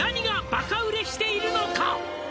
「バカ売れしているのか？」